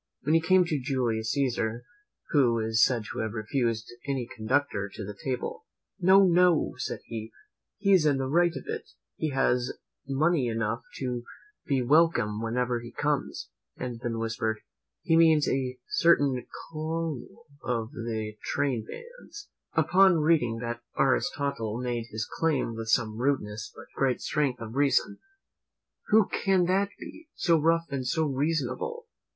When he came to Julius Caesar, who is said to have refused any conductor to the table: "No, no," said he, "he is in the right of it, he has money enough to be welcome wherever he comes;" and then whispered, "He means a certain colonel of the Trainbands." Upon reading that Aristotle made his claim with some rudeness, but great strength of reason; "Who can that be, so rough and so reasonable?